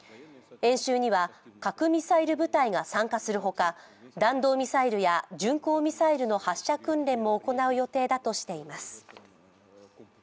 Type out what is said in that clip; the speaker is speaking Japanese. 演習には核ミサイル部隊が参加するほか弾道ミサイルや巡航ミサイルの発射訓練も行う予定だとしています。